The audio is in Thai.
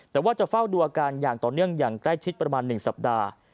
แต่ว่าจะเฝ้าดูอาการอย่างต่อเนื่องอย่างใกล้ชิดประมาณ๑สัปดาห์